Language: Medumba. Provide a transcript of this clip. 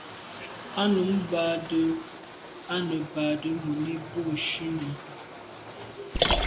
Á nǔm bâdə̀ á nə̀ bàdə̌ mùní bû shúnì.